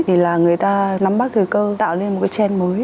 thì là người ta nắm bắt thời cơ tạo lên một cái trend mới